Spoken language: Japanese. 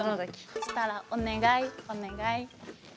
そしたらお願いお願い。